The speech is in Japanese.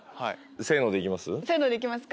せの！で行きます？